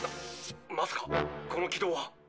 まさかこの軌道は。